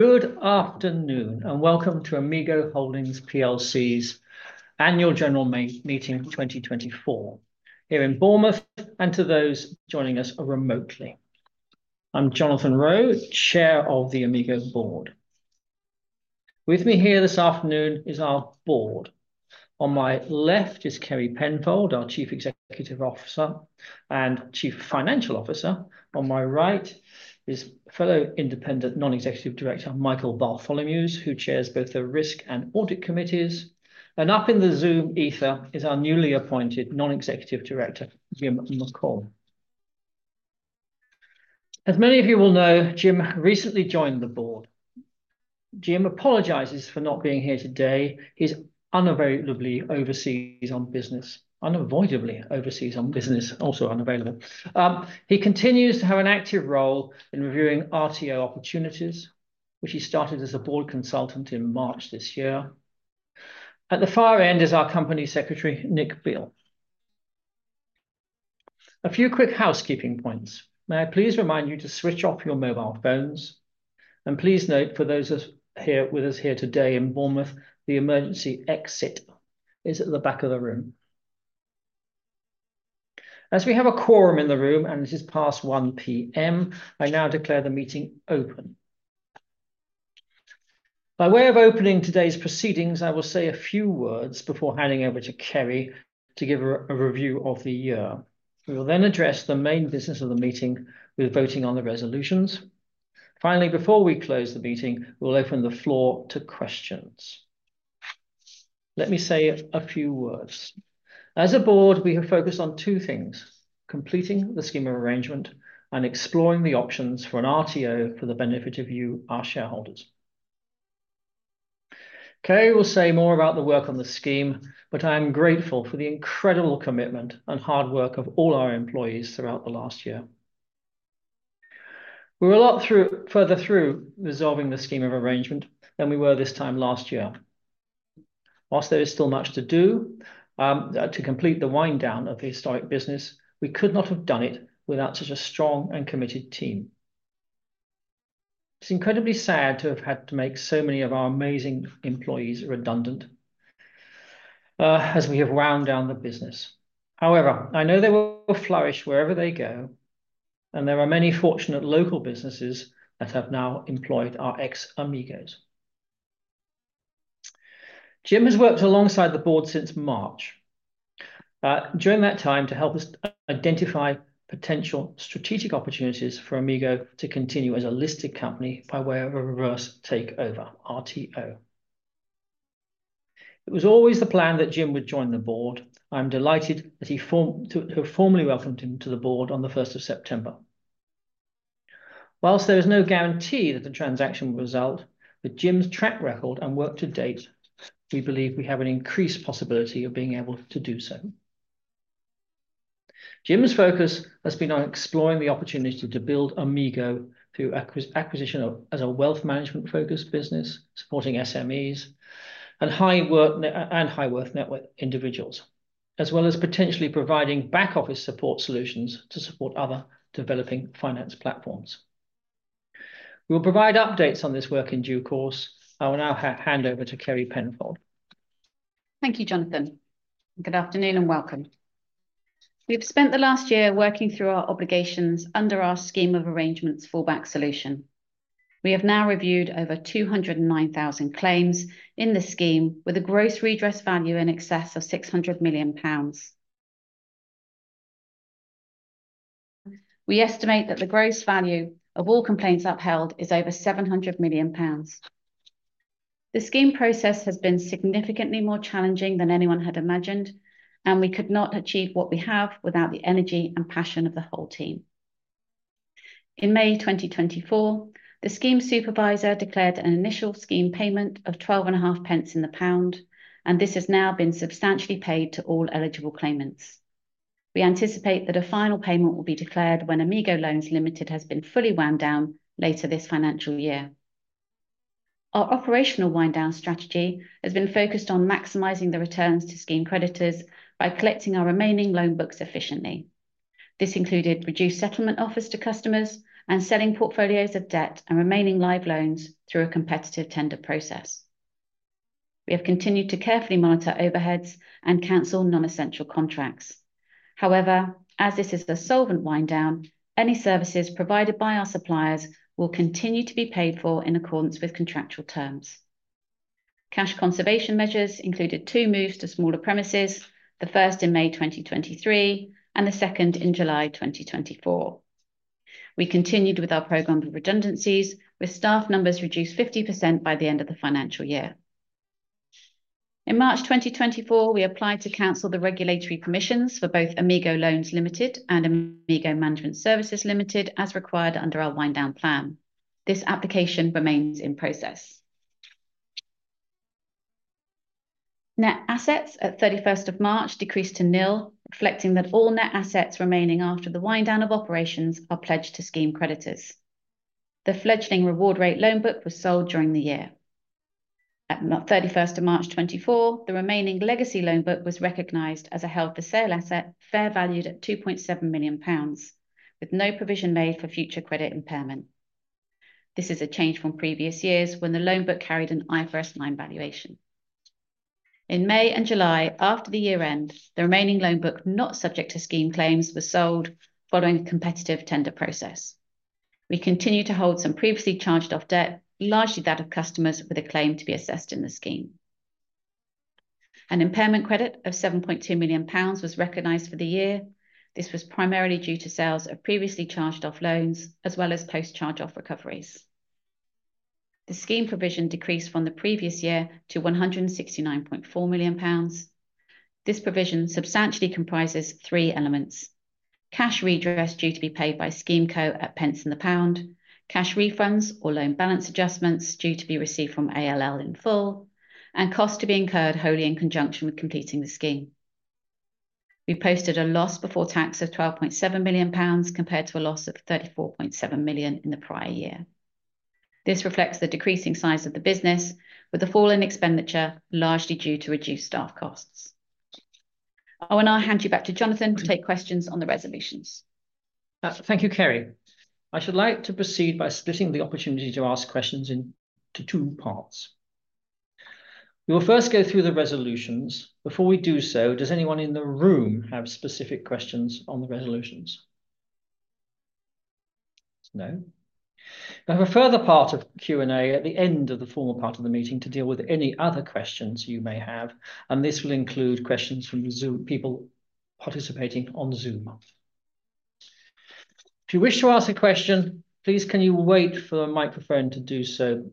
Good afternoon, and welcome to Amigo Holdings PLC's Annual General Meeting 2024 here in Bournemouth, and to those joining us remotely. I'm Jonathan Roe, Chair of the Amigo Board. With me here this afternoon is our board. On my left is Kerry Penfold, our Chief Executive Officer and Chief Financial Officer. On my right is fellow independent non-executive director, Michael Bartholomeusz, who chairs both the Risk and Audit Committees. And up in the Zoom ether is our newly appointed non-executive director, Jim McColl. As many of you will know, Jim recently joined the board. Jim apologizes for not being here today. He's unavoidably overseas on business. Unavoidably overseas on business, also unavailable. He continues to have an active role in reviewing RTO opportunities, which he started as a board consultant in March this year. At the far end is our company secretary, Nick Beale. A few quick housekeeping points. May I please remind you to switch off your mobile phones, and please note for those of you here, with us here today in Bournemouth, the emergency exit is at the back of the room. As we have a quorum in the room, and it is past 1:00 P.M., I now declare the meeting open. By way of opening today's proceedings, I will say a few words before handing over to Kerry to give a review of the year. We will then address the main business of the meeting with voting on the resolutions. Finally, before we close the meeting, we'll open the floor to questions. Let me say a few words. As a board, we have focused on two things: completing the scheme of arrangement and exploring the options for an RTO for the benefit of you, our shareholders. Kerry will say more about the work on the scheme, but I am grateful for the incredible commitment and hard work of all our employees throughout the last year. We're further through resolving the scheme of arrangement than we were this time last year. Whilst there is still much to do, to complete the wind down of the historic business, we could not have done it without such a strong and committed team. It's incredibly sad to have had to make so many of our amazing employees redundant, as we have wound down the business. However, I know they will flourish wherever they go, and there are many fortunate local businesses that have now employed our ex-Amigos. Jim has worked alongside the board since March. During that time, to help us identify potential strategic opportunities for Amigo to continue as a listed company by way of a Reverse Takeover, RTO. It was always the plan that Jim would join the board. I'm delighted to have formally welcomed him to the board on the first of September. While there is no guarantee that the transaction will result, with Jim's track record and work to date, we believe we have an increased possibility of being able to do so. Jim's focus has been on exploring the opportunity to build Amigo through acquisition as a wealth management-focused business, supporting SMEs and high net worth individuals, as well as potentially providing back office support solutions to support other developing finance platforms. We'll provide updates on this work in due course. I will now hand over to Kerry Penfold. Thank you, Jonathan. Good afternoon, and welcome. We've spent the last year working through our obligations under our scheme of arrangements fallback solution. We have now reviewed over two hundred and nine thousand claims in the scheme, with a gross redress value in excess of 600 million pounds. We estimate that the gross value of all complaints upheld is over 700 million pounds. The scheme process has been significantly more challenging than anyone had imagined, and we could not achieve what we have without the energy and passion of the whole team. In May 2024, the scheme supervisor declared an initial scheme payment of 12.5 pence in the pound, and this has now been substantially paid to all eligible claimants. We anticipate that a final payment will be declared when Amigo Loans Limited has been fully wound down later this financial year. Our operational wind down strategy has been focused on maximizing the returns to scheme creditors by collecting our remaining loan books efficiently. This included reduced settlement offers to customers and selling portfolios of debt and remaining live loans through a competitive tender process. We have continued to carefully monitor overheads and cancel non-essential contracts. However, as this is the solvent wind down, any services provided by our suppliers will continue to be paid for in accordance with contractual terms. Cash conservation measures included two moves to smaller premises, the first in May 2023 and the second in July 2024. We continued with our program of redundancies, with staff numbers reduced 50% by the end of the financial year. In March2024, we applied to cancel the regulatory permissions for both Amigo Loans Limited and Amigo Management Services Limited, as required under our wind down plan. This application remains in process. Net assets at 31st of March decreased to nil, reflecting that all net assets remaining after the wind down of operations are pledged to scheme creditors. The fledgling RewardRate loan book was sold during the year. At 31st of March 2024, the remaining legacy loan book was recognized as a held-for-sale asset, fair valued at 2.7 million pounds, with no provision made for future credit impairment. This is a change from previous years when the loan book carried an IFRS 9 valuation. In May and July, after the year end, the remaining loan book not subject to scheme claims were sold following a competitive tender process. We continue to hold some previously charged-off debt, largely that of customers with a claim to be assessed in the scheme. An impairment credit of 7.2 million pounds was recognized for the year. This was primarily due to sales of previously charged-off loans, as well as post charge-off recoveries. The scheme provision decreased from the previous year to GBP 169.4 million. This provision substantially comprises three elements: cash redress due to be paid by SchemeCo at pence on the pound, cash refunds or loan balance adjustments due to be received from ALL in full, and costs to be incurred wholly in conjunction with completing the scheme. We posted a loss before tax of 12.7 million pounds, compared to a loss of 34.7 million in the prior year. This reflects the decreasing size of the business, with the fall in expenditure largely due to reduced staff costs. I will now hand you back to Jonathan to take questions on the resolutions. Thank you, Kerry. I should like to proceed by splitting the opportunity to ask questions into two parts. We will first go through the resolutions. Before we do so, does anyone in the room have specific questions on the resolutions? No. We have a further part of Q&A at the end of the formal part of the meeting to deal with any other questions you may have, and this will include questions from Zoom people participating on Zoom. If you wish to ask a question, please wait for the microphone to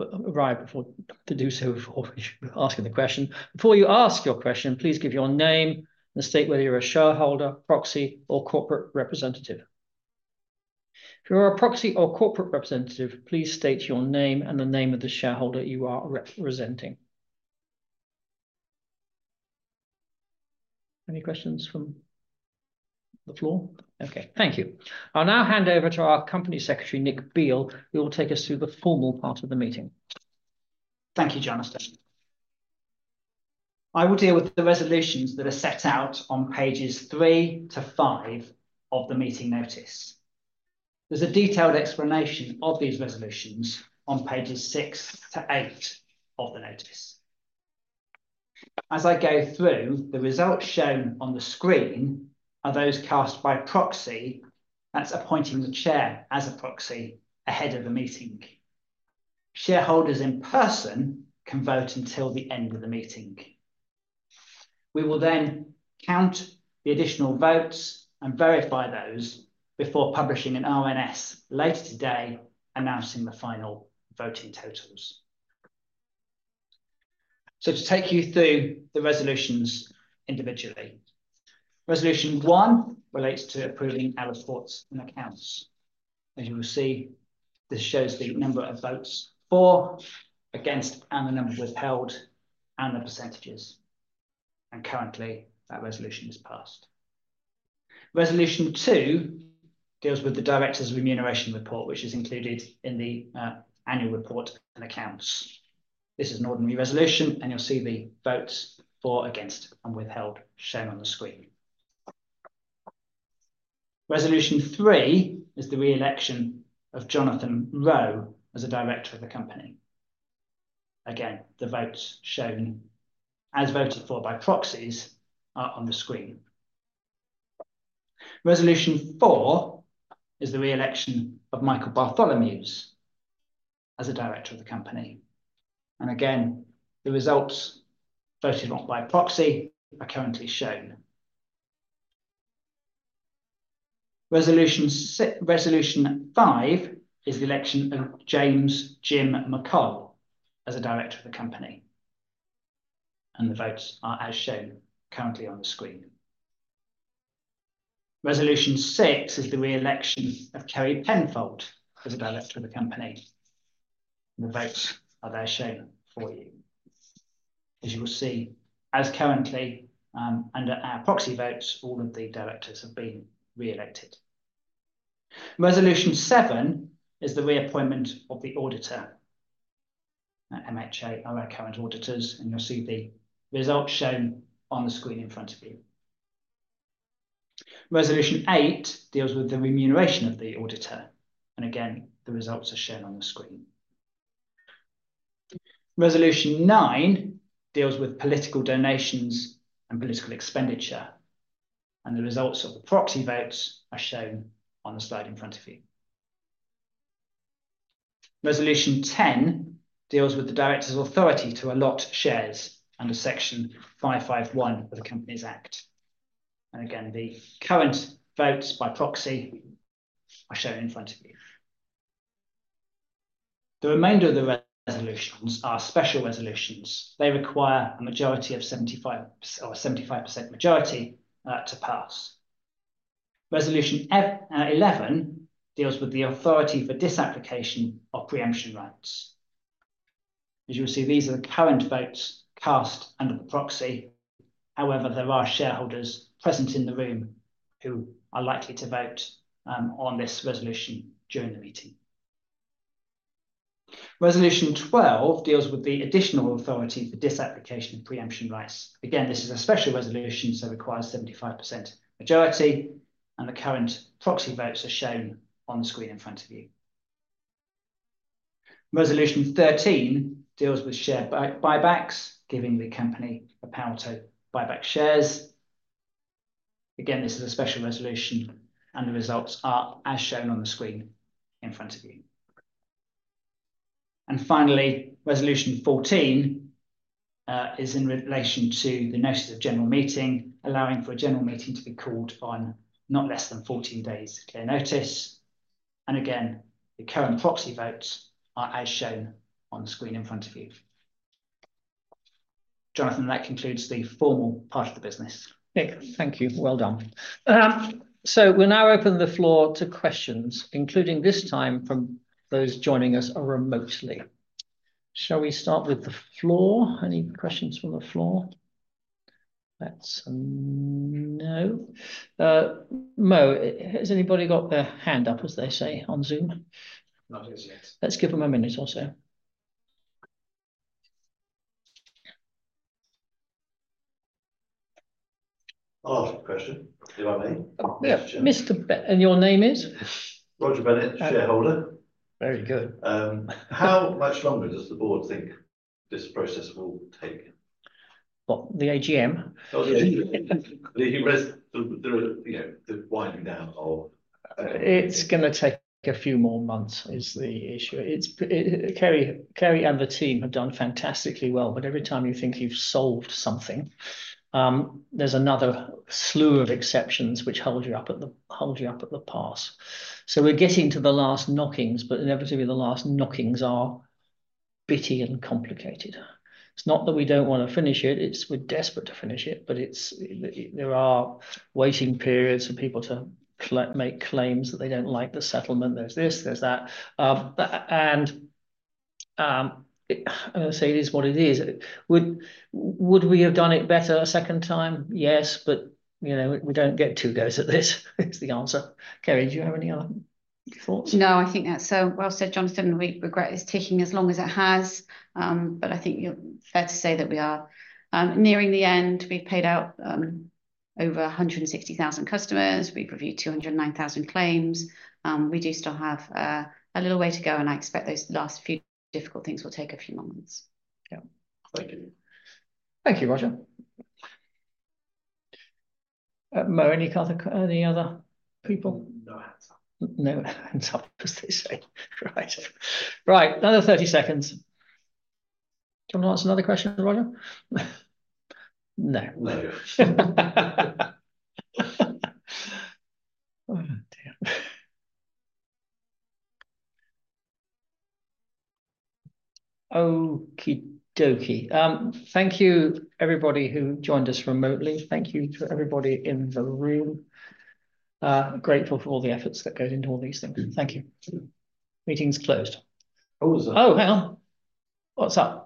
arrive before asking the question. Before you ask your question, please give your name and state whether you're a shareholder, proxy or corporate representative. If you're a proxy or corporate representative, please state your name and the name of the shareholder you are representing. Any questions from the floor? Okay, thank you. I'll now hand over to our company secretary, Nick Beale, who will take us through the formal part of the meeting. Thank you, Jonathan. I will deal with the resolutions that are set out on pages three to five of the meeting notice. There's a detailed explanation of these resolutions on pages six to eight of the notice. As I go through, the results shown on the screen are those cast by proxy, that's appointing the chair as a proxy ahead of the meeting. Shareholders in person can vote until the end of the meeting. We will then count the additional votes and verify those before publishing an RNS later today, announcing the final voting totals. So to take you through the resolutions individually. Resolution one relates to approving our reports and accounts. As you will see, this shows the number of votes for, against, and the number withheld, and the percentages, and currently, that resolution is passed. Resolution two deals with the directors' remuneration report, which is included in the annual report and accounts. This is an ordinary resolution, and you'll see the votes for, against, and withheld, shown on the screen. Resolution three is the re-election of Jonathan Roe as a director of the company. Again, the votes shown as voted for by proxies are on the screen. Resolution four is the re-election of Michael Bartholomeusz as a director of the company, and again, the results voted on by proxy are currently shown. Resolution five is the election of James Jim McColl as a director of the company, and the votes are as shown currently on the screen. Resolution six is the re-election of Kerry Penfold as a director of the company. The votes are there shown for you. As you will see, as currently under our proxy votes, all of the directors have been re-elected. Resolution seven is the re-appointment of the auditor. MHA are our current auditors, and you'll see the results shown on the screen in front of you. Resolution eight deals with the remuneration of the auditor, and again, the results are shown on the screen. Resolution nine deals with political donations and political expenditure, and the results of the proxy votes are shown on the slide in front of you. Resolution ten deals with the directors' authority to allot shares under Section 551 of the Companies Act, and again, the current votes by proxy are shown in front of you. The remainder of the resolutions are special resolutions. They require a majority of 75, or a 75% majority, to pass. Resolution eleven deals with the authority for disapplication of pre-emption rights. As you will see, these are the current votes cast under the proxy, however, there are shareholders present in the room who are likely to vote on this resolution during the meeting. Resolution 12 deals with the additional authority for disapplication of preemption rights. Again, this is a special resolution, so requires 75% majority, and the current proxy votes are shown on the screen in front of you. Resolution 13 deals with share buybacks, giving the company the power to buy back shares. Again, this is a special resolution, and the results are as shown on the screen in front of you. And finally, resolution 14 is in relation to the notice of general meeting, allowing for a general meeting to be called on not less than 14 days' clear notice. Again, the current proxy votes are as shown on the screen in front of you. Jonathan, that concludes the formal part of the business. Nick, thank you. Well done. So we'll now open the floor to questions, including this time from those joining us remotely. Shall we start with the floor? Any questions from the floor? That's a no. Mo, has anybody got their hand up, as they say, on Zoom? Not as yet. Let's give them a minute or so. I'll ask a question, if I may. Yeah. Mr... and your name is? Roger Bennett, shareholder. Very good. How much longer does the board think this process will take? What, the AGM? Oh, you know, the winding down of- It's gonna take a few more months, is the issue. It's Kerry and the team have done fantastically well, but every time you think you've solved something, there's another slew of exceptions which hold you up at the pass. So we're getting to the last knockings, but inevitably, the last knockings are bitty and complicated. It's not that we don't wanna finish it, it's... We're desperate to finish it, but it's, there are waiting periods for people to make claims that they don't like the settlement. There's this, there's that. It... I'm gonna say it is what it is. Would we have done it better a second time? Yes, but, you know, we don't get two goes at this is the answer. Kerry, do you have any other thoughts? No, I think that's so well said, Jonathan. We regret it's taking as long as it has. But I think you're fair to say that we are nearing the end. We've paid out over 160,000 customers. We've reviewed 209,000 claims. We do still have a little way to go, and I expect those last few difficult things will take a few more months. Yeah. Thank you. Thank you, Roger. Mo, any other people? No hands up. No hands up, as they say. Right. Right, another 30 seconds. Do you wanna ask another question, Roger? No. No. Oh, dear. Okie dokie. Thank you everybody who joined us remotely. Thank you to everybody in the room. Grateful for all the efforts that go into all these things. Thank you. Meeting's closed. Oh, was that- Oh, hang on. What's up?